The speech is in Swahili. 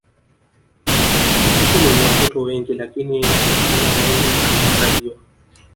mtu mwenye watoto wengi lakini hana ngombe anahesabiwa